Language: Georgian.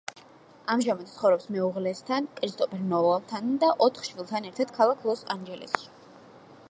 ამჟამად ცხოვრობს მეუღლესთან კრისტოფერ ნოლანთან და ოთხ შვილთან ერთად ქალაქ ლოს-ანჯელესში.